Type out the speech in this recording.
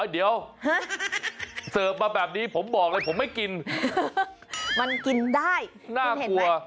เดี๋ยวเสิร์ฟมาแบบนี้ผมบอกเลยผมไม่กินมันกินได้น่ากลัว